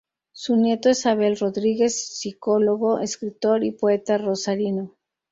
Su nieto es Abel Rodríguez, psicólogo, escritor y poeta rosarino.